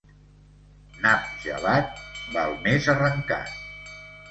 Nap gelat, val més arrencat.